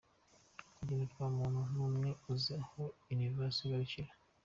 Urugero, nta muntu numwe uzi aho Universe igarukira.